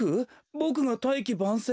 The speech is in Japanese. ボクが「大器晩成」？